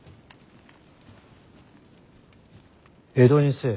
江戸にせえ。